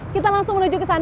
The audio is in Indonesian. kita langsung menuju ke sana